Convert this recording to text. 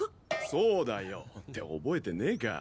そうだよ！って覚えてねえか。